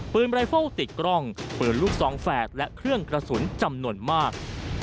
ไบเฟิลติดกล้องปืนลูกซองแฝดและเครื่องกระสุนจำนวนมาก